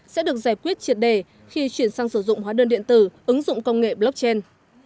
sẽ được giải quyết triệt đề khi chuyển sang sử dụng hóa đơn điện tử ứng dụng công nghệ blockchain